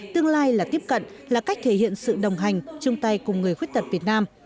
tương lai là tiếp cận là cách thể hiện sự đồng hành chung tay cùng người khuyết tật việt nam